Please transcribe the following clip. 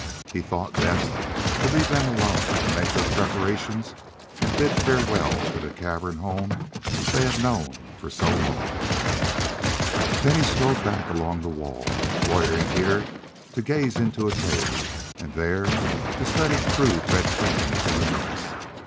He thought best to leave them alone to make their preparations and bid farewell to the cavern home they had known for so long. Then he strolled back along the wall, loitering here to gaze into a cave, and there to study crude red paintings in the nooks.